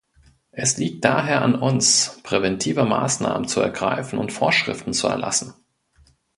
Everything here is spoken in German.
Es liegt daher an uns, präventive Maßnahmen zu ergreifen und Vorschriften zu erlassen.